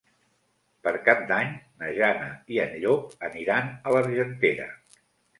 Per Cap d'Any na Jana i en Llop aniran a l'Argentera.